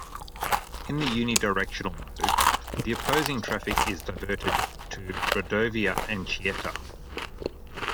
In the unidirectional mode, the opposing traffic is diverted to Rodovia Anchieta.